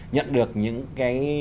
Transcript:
nhận được những cái